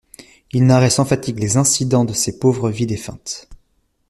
Il narrait sans fatigue les incidents de ces pauvres vies défuntes.